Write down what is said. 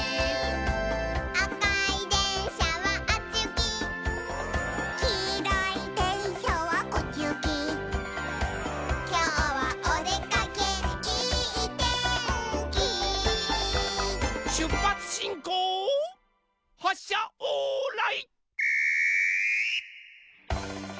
「あかいでんしゃはあっちゆき」「きいろいでんしゃはこっちゆき」「きょうはおでかけいいてんき」しゅっぱつしんこうはっしゃオーライ。